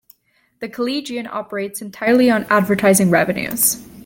The "Collegian" operates entirely on advertising revenues.